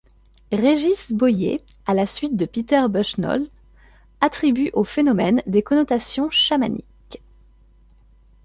Régis Boyer, à la suite de Peter Buchholz, attribue au phénomène des connotations chamaniques.